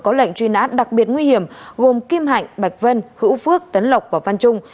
có lệnh truy nát đặc biệt nguy hiểm gồm kim hạnh bạch vân hữu phước tấn lọc võ văn trung